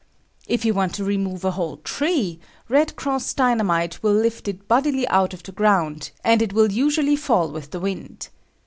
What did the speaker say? If you want to remove a whole tree, "Red Cross" Dynamite will lift it bodily out of the ground, and it will usually fall with the wind.